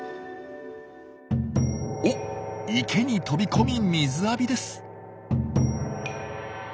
おっ池に飛び込み水浴びです。